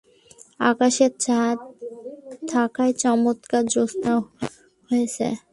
আকাশে চাঁদ থাকায় চমৎকার জ্যোৎস্না হয়েছে।